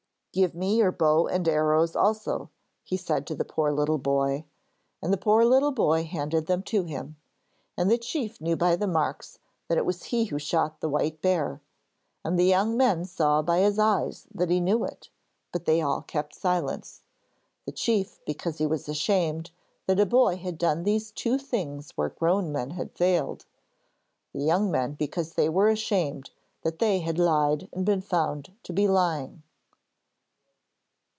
'Give me your bow and arrows also,' he said to the poor little boy, and the poor little boy handed them to him, and the chief knew by the marks that it was he who shot the white bear. And the young men saw by his eyes that he knew it, but they all kept silence: the chief because he was ashamed that a boy had done these two things where grown men had failed; the young men, because they were ashamed that they had lied and had been found to be lying.